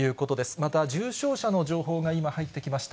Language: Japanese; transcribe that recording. また重症者の情報が今入ってきました。